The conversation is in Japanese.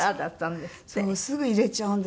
すぐ入れちゃうんですよ